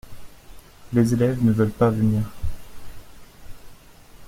Les élèves ne veulent pas venir.